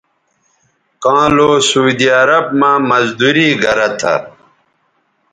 کاں لو سعودی عرب مہ مزدوری گرہ تھہ